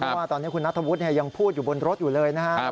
เพราะว่าตอนนี้คุณนัทธวุฒิยังพูดอยู่บนรถอยู่เลยนะครับ